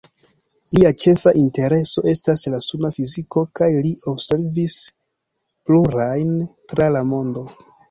Lia ĉefa intereso estas la suna fiziko kaj li observis plurajn tra la mondo.